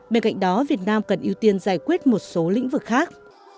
bên cạnh đó việt nam cần ưu tiên giải quyết một số lĩnh vực khác